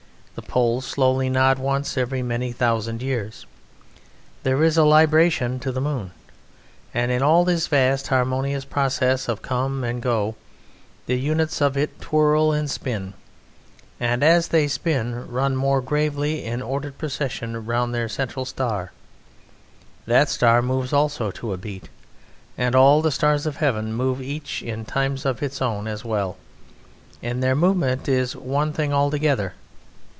The Poles slowly nod once every many thousand years, there is a libration to the moon; and in all this vast harmonious process of come and go the units of it twirl and spin, and, as they spin, run more gravely in ordered procession round their central star: that star moves also to a beat, and all the stars of heaven move each in times of its own as well, and their movement is one thing altogether.